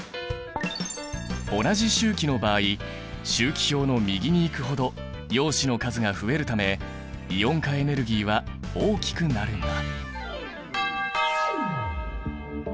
同じ周期の場合周期表の右に行くほど陽子の数が増えるためイオン化エネルギーは大きくなるんだ。